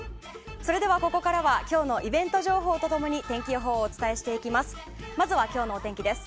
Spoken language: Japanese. それではここからは今日のイベント情報と共に天気予報をお伝えしていきます。